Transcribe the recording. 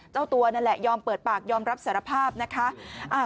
เจ้าตัวนั่นแหละยอมเปิดปากยอมรับสารภาพนะคะ